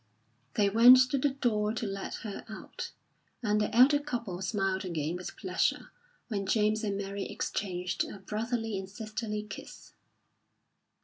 They went to the door to let her out, and the elder couple smiled again with pleasure when James and Mary exchanged a brotherly and sisterly kiss.